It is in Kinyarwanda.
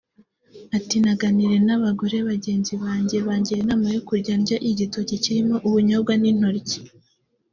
Ati ‘ Naganiriye n’abagore bagenzi banjye bangira inama yo kujya ndya igitoki kirimo ubunyobwa n’intoryi